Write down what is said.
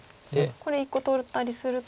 これ１個取ったりすると。